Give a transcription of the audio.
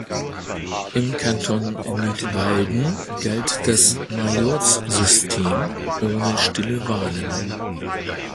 Im Kanton Nidwalden galt das Majorzsystem ohne stille Wahlen.